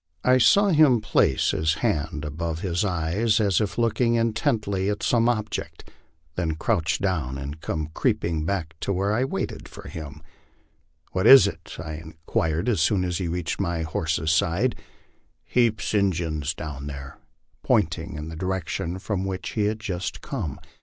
I saw him place his hand above his eyes as if looking intently at some object, then crouch down and come creeping back to where I waited for him. " What is it? " I inquired as soon as he reached my horse's side. " Heaps Injuns down there, 1 ' pointing in the direction from which he had just come.